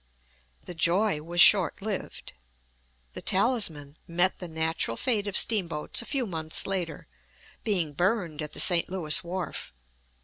The joy was short lived. The Talisman met the natural fate of steamboats a few months later, being burned at the St. Louis wharf.